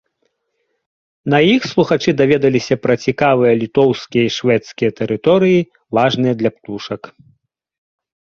На іх слухачы даведаліся пра цікавыя літоўскія і шведскія тэрыторыі, важныя для птушак.